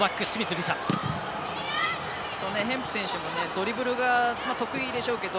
ヘンプ選手もドリブルが得意でしょうけど